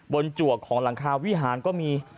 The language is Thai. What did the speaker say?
จวกของหลังคาวิหารก็มี